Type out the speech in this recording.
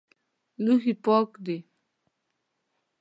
لوښي پاک دي؟